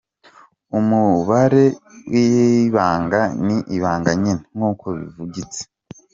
Umubare w’ibanga ni ibanga nyine nk’uko bivugitse.